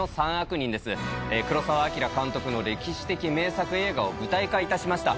黒澤明監督の歴史的名作映画を舞台化いたしました。